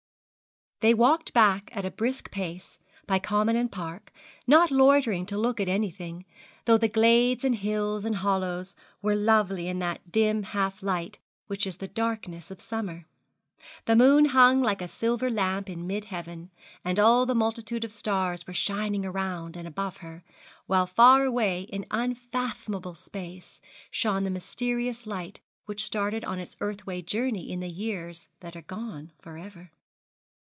They walked back at a brisk pace, by common and park, not loitering to look at anything, though the glades and hills and hollows were lovely in that dim half light which is the darkness of summer. The new moon hung like a silver lamp in mid heaven, and all the multitude of stars were shining around and above her, while far away in unfathomable space, shone the mysterious light which started on its earthward journey in the years that are gone for ever.